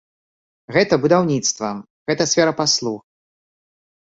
Гэта будаўніцтва, гэта сфера паслуг.